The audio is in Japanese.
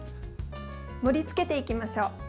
盛りつけていきましょう。